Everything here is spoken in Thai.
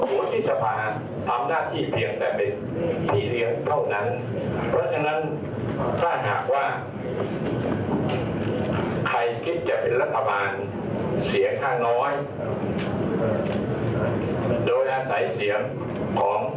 มุมนิสภาพทำหน้าที่เพียงแต่เป็นนิเรียนเท่านั้น